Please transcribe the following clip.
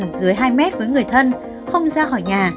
các cơ sở y tế đều được tìm thuận dưới hai m với người thân không ra khỏi nhà